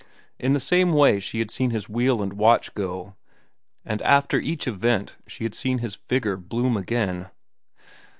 In the same way she had seen his wheel and watch go, and after each event she had seen his vigor bloom again.